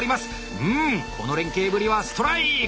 うんこの連係ぶりはストライク！